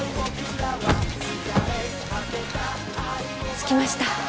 着きました。